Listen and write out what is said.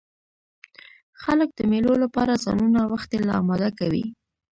خلک د مېلو له پاره ځانونه وختي لا اماده کوي.